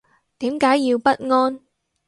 點解要不安